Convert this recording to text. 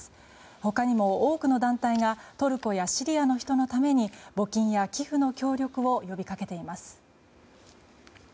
他にも多くの団体がトルコやシリアの人のために募金や寄付の協力を呼びかけています。